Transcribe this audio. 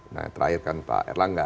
nah terakhir kan pak erlangga